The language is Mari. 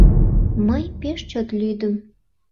Мый пеш чот лӱдым.